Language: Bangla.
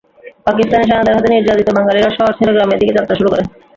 পাকিস্তানি সেনাদের হাতে নির্যাতিত বাঙালিরা শহর ছেড়ে গ্রামের দিকে যাত্রা করে।